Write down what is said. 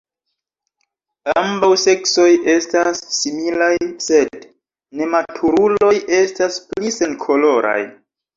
Ambaŭ seksoj estas similaj, sed nematuruloj estas pli senkoloraj.